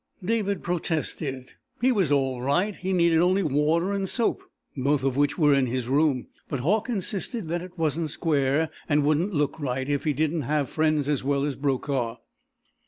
David protested. He was all right. He needed only water and soap, both of which were in his room, but Hauck insisted that it wasn't square, and wouldn't look right, if he didn't have friends as well as Brokaw.